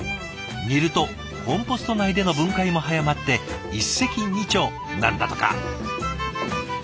煮るとコンポスト内での分解も早まって一石二鳥なんだとか。